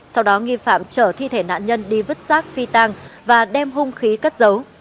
sau đó nghi phạm trở thi thể nạn nhân đi vứt xác phi tàng và đem hung khí cất dấu